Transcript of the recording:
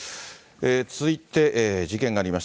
続いて、事件がありました